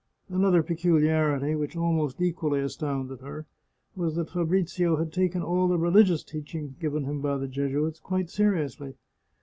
" Another peculiarity, which almost equally astounded her, was that Fabrizio had taken all the religious teaching given him by the Jesuits quite seriously.